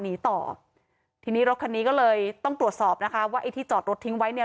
หนีต่อทีนี้รถคันนี้ก็เลยต้องตรวจสอบนะคะว่าไอ้ที่จอดรถทิ้งไว้เนี่ย